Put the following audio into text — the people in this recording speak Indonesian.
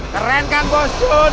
keren kan bos jun